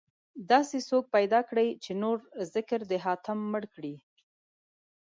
داسې څوک پيدا کړئ، چې نور ذکر د حاتم مړ کړي